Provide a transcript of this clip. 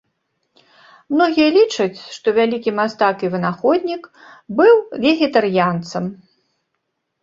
Многія лічаць, што вялікі мастак і вынаходнік быў вегетарыянцам.